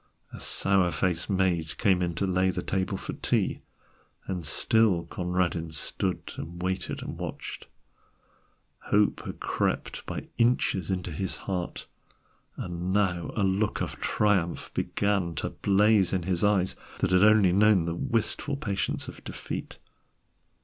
A sour faced maid came in to lay the table for tea, and still Conradin stood and waited and watched. Hope had crept by inches into his heart, and now a look of triumph began to blaze in his eyes that had only known the wistful patience of defeat.